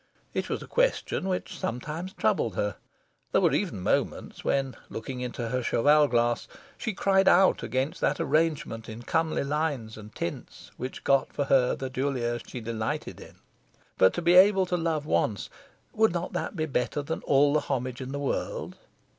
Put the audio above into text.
It was a question which sometimes troubled her. There were even moments when, looking into her cheval glass, she cried out against that arrangement in comely lines and tints which got for her the dulia she delighted in. To be able to love once would not that be better than all the homage in the world?